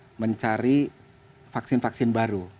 untuk mencari vaksin vaksin baru